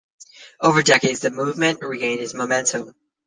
Over decades, the movement regained its momentum.